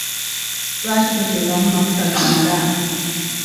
Lwaki totekamu mafuta gamala?